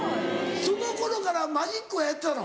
その頃からマジックはやってたの？